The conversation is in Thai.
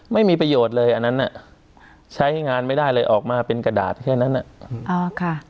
ไม่มีประโยชน์เลยอันนั้นน่ะใช้งานไม่ได้เลยออกมาเป็นกระดาษแค่นั้นอ่ะอ๋อค่ะ